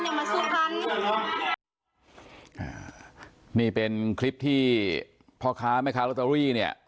อย่างมาสู้กันอ่านี่เป็นคลิปที่พ่อค้าแม่ค้าเนี่ย